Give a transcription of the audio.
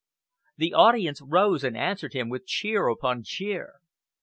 The audience rose and answered him with cheer upon cheer.